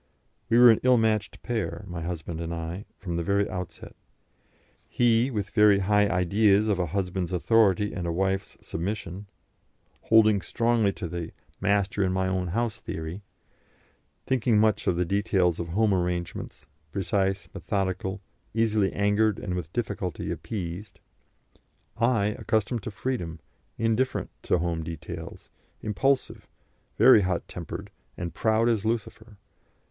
We were an ill matched pair, my husband and I, from the very outset; he, with very high ideas of a husband's authority and a wife's submission, holding strongly to the "master in my own house theory," thinking much of the details of home arrangements, precise, methodical, easily angered and with difficulty appeased. I, accustomed to freedom, indifferent to home details, impulsive, very hot tempered, and proud as Lucifer.